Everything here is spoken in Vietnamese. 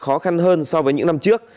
và khó khăn hơn so với những năm trước